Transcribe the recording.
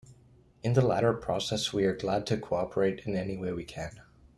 In the latter process we are glad to cooperate in any way we can.